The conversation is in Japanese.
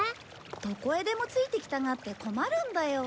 どこへでも付いて来たがって困るんだよ。